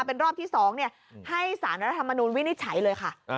เป็นรอบที่๒ให้สารรัฐธรรมนูลวินิจฉัยเลยค่ะ